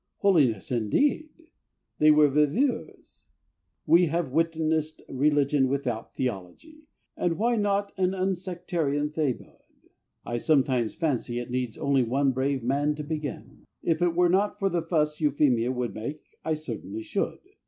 Holiness, indeed! They were viveurs.... We have witnessed Religion without Theology, and why not an Unsectarian Thebaid? I sometimes fancy it needs only one brave man to begin.... If it were not for the fuss Euphemia would make I certainly should.